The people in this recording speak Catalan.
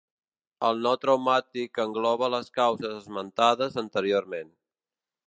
El no traumàtic engloba les causes esmentades anteriorment.